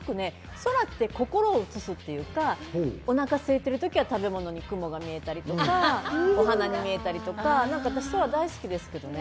開けたところに行くと、空って、心を映すっていうか、おなかすいてる時は食べ物に雲が見えたりとかお花に見えたりとか、私、空、大好きですよ。